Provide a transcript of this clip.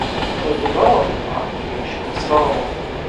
The development application stalled.